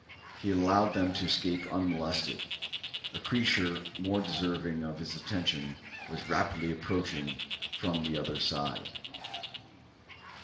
He allowed them to escape unmolested. A creature more deserving of his attention was rapidly approaching from the other side.